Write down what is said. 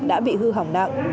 đã bị hư hỏng nặng